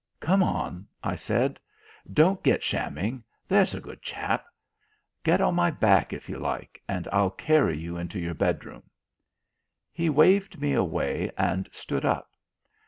"Come on!" I said. "Don't get shamming, there's a good chap. Get on my back, if you like, and I'll carry you into your bedroom." He waved me away and stood up.